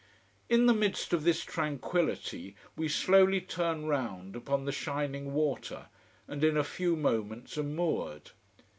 In the midst of this tranquillity we slowly turn round upon the shining water, and in a few moments are moored.